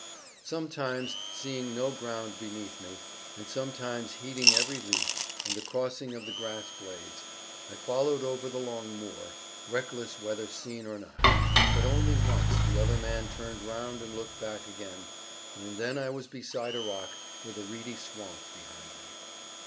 Sometimes seeing no ground beneath me, and sometimes heeding every leaf, and the crossing of the grass blades, I followed over the long moor, reckless whether seen or not. But only once the other man turned round and looked back again, and then I was beside a rock, with a reedy swamp behind me.